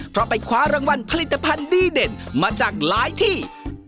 เพราะไปคว้ารางวัลผลิตภัณฑ์ดีเด่นมาจากหลายที่